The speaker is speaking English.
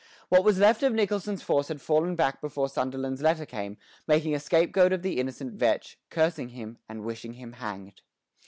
What was left of Nicholson's force had fallen back before Sunderland's letter came, making a scapegoat of the innocent Vetch, cursing him, and wishing him hanged.